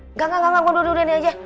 enggak enggak enggak udah udah ini aja